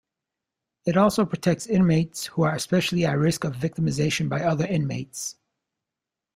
It also protects inmates who are especially at risk of victimization by other inmates.